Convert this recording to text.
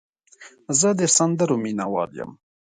زه د سندرو مینه وال یم.